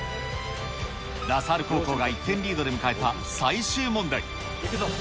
ラサール高校が１点リードで迎えた最終問題。